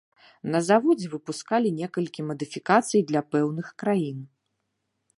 На заводзе выпускалі некалькі мадыфікацый для пэўных краін.